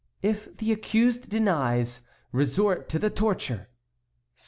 "If the accused denies resort to the torture.